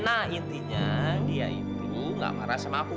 nah intinya dia itu gak marah sama aku